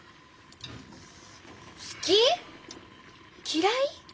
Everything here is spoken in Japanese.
好き？嫌い？